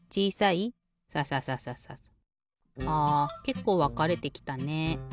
けっこうわかれてきたね。